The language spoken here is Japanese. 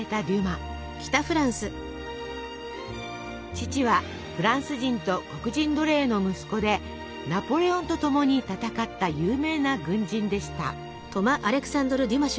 父はフランス人と黒人奴隷の息子でナポレオンとともに戦った有名な軍人でした。